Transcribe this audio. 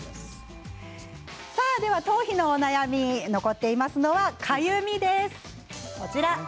頭皮のお悩み残っていますのは、かゆみです。